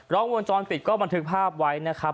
กล้องวงจรปิดก็บันทึกภาพไว้นะครับ